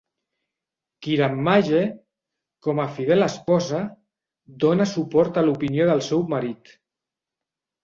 Kiranmayee, com a fidel esposa, dona suport a l'opinió del seu marit.